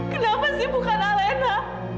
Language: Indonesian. kenapa sih bukan alena